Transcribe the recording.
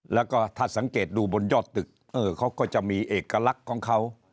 แล้วก็ถ้าสังเกตดูบนยอดตึกเขาก็จะมีเอกลักษณ์ของเขา